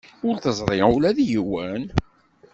Ur teẓri ula d yiwen?